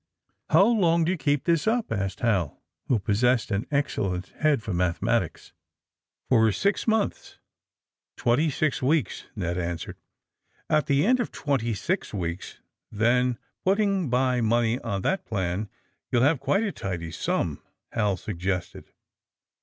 How long do you keep this up?" asked Hal, who possessed an excellent head for mathemat ics. AKD THE SMUGGLEES 159 For six months — twenty six weeks/' Ned answered. *^At the end of twenty six weeks, then, put ting by money on that plan, yon 11 have quite a tidy sum," Hal suggested.